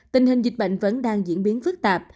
tình hình dịch bệnh vẫn đang diễn biến phức tạp